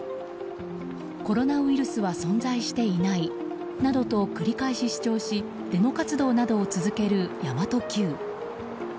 コロナウイルスは存在していないなどと繰り返し主張しデモ活動を続ける神真都Ｑ。